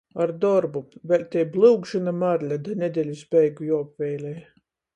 Ar dorbu — vēļ tei blyugžyna marle da nedelis beigu juoapveilej...